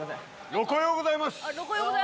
ロコようございます。